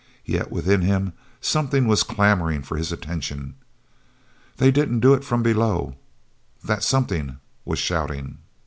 Yet within him something was clamoring for his attention. "They didn't do it from below!" that something was shouting.